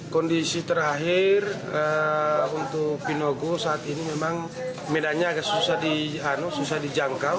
kondisi terakhir untuk pinogo saat ini memang medannya agak susah dijangkau